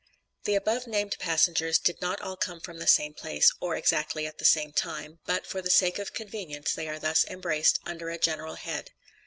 The above named passengers did not all come from the same place, or exactly at the same time; but for the sake of convenience they are thus embraced under a general head.